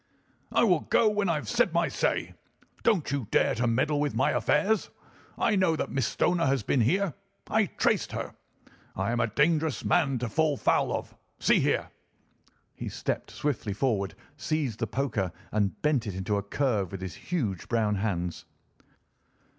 "I will go when I have had my say. Don't you dare to meddle with my affairs. I know that Miss Stoner has been here. I traced her! I am a dangerous man to fall foul of! See here." He stepped swiftly forward, seized the poker, and bent it into a curve with his huge brown hands.